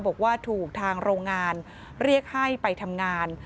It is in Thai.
บอกว่าถูกทางโรงงานเรียกให้ไปทำงาน